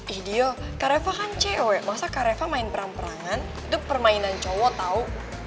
eh dio kareva kan cewek masa kareva main perang perangan itu permainan cowok tau